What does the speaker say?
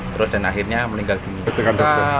terus dan akhirnya meninggal di rumah